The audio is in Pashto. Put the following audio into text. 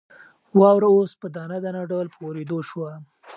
واوره اوس په دانه دانه ډول په اورېدو شوه.